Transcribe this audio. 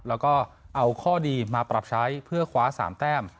แล้วก็เอาข้อดีมาปรับใช้เพื่อคว้า๓แต้ม